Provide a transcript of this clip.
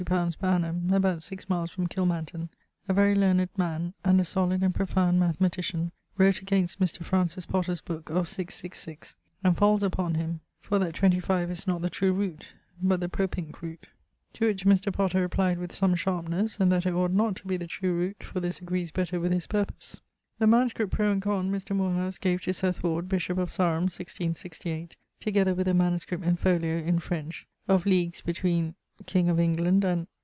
_ per annum), about 6 miles from Kilmanton, a very learned man, and a solid and profound mathematician, wrote against Mr. Francis Potter's booke of 666, and falls upon him, for that 25 is not the true roote, but the propinque root; to which Mr. Potter replied with some sharpnes, and that it ought not to be the true roote, for this agrees better with his purpose. The manuscript pro and con Mr. Morehouse gave to Seth Ward, bishop of Sarum, 1668; together with a MS. in folio (in French) of legues between ... king of England and